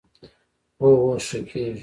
هو، اوس ښه کیږي